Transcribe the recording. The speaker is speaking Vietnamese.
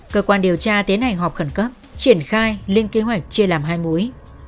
cơ quan điều tra tiến hành họp khẩn cấp triển khai lên kế hoạch chia làm hai mối